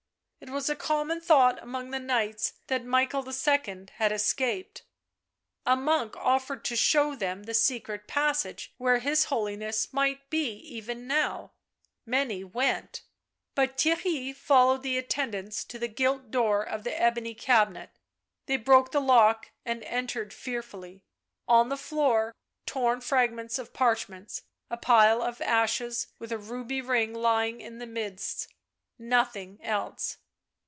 It was a common thought among the knights that Michael II. had escaped ; a monk offered to show them the secret passage where his Holiness might be even now ; many went ; but Theirry followed the attendants to the gilt door of the ebony cabinet. They broke the lock and entered fearfully. On the floor torn frag ments of parchments, a pile of ashes with a ruby ring lying in the midst. ... Nothing else.